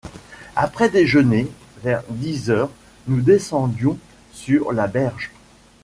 Après déjeuner, vers dix heures, nous descendions sur la berge.